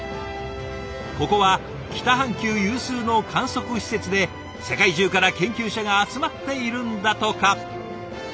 ここは北半球有数の観測施設で世界中から研究者が集まっているんだとか。